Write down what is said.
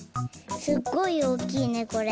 すっごいおおきいねこれ。